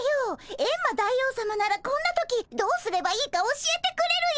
エンマ大王さまならこんな時どうすればいいか教えてくれるよ。